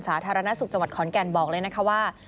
สาธารณสุขจังหวัดขอนแก่นบอกเลยนะคะว่า